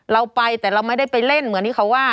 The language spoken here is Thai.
เราไปแต่เราไม่ได้ไปเล่นเหมือนที่เขาว่า